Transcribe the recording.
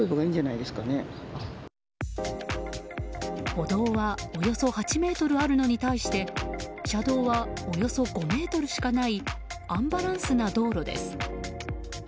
歩道はおよそ８ｍあるのに対して車道は、およそ５ｍしかないアンバランスな道路です。